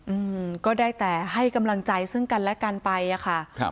อืมก็ได้แต่ให้กำลังใจซึ่งกันและกันไปอ่ะค่ะครับ